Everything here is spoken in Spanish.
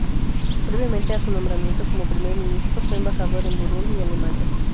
Previamente a su nombramiento como Primer Ministro, fue embajador en Burundi y Alemania.